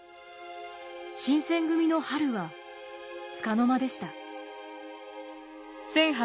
新選組の春はつかの間でした。